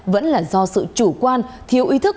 vẫn là do sự chủ quan thiếu ý thức